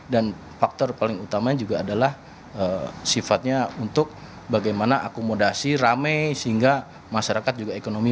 dan faktor paling utama juga adalah sifatnya untuk bagaimana akomodasi rame sehingga masyarakat juga ekonomi